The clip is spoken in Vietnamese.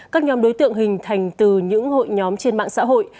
các nhóm đối tượng hình thành từ những hội nhóm trên mạng xã hội